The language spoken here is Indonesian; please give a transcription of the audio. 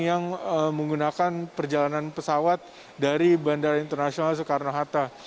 yang menggunakan perjalanan pesawat dari bandara internasional soekarno hatta